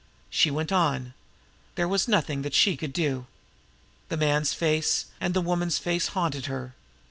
She went on. There was nothing that she could do. The man's face and the woman's face haunted her.